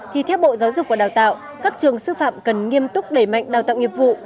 thì theo bộ giáo dục và đào tạo các trường sư phạm cần nghiêm túc đẩy mạnh đào tạo nghiệp vụ